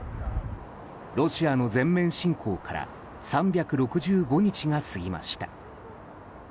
ロシアの全面侵攻から３６５日が過ぎました。